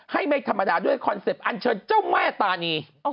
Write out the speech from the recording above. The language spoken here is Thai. ให้ไม่ธรรมดาด้วยคอนเสพอัญเชิญเจ้าแม่ตานี